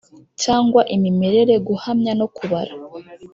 cyangwa imimerere, guhamya no kubara.